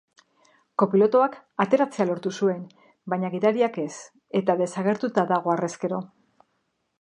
Kopilotuak ateratzea lortu zuen, baina gidariak ez, eta desagertuta dago harrezkero.